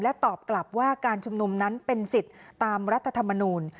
ตอบกลับว่าการชุมนุมนั้นเป็นสิทธิ์ตามรัฐธรรมนูล